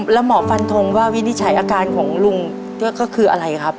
แล้วหมอฟันทงว่าวินิจฉัยอาการของลุงก็คืออะไรครับ